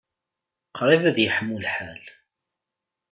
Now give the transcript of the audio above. Qrib ad yeḥmu lḥal.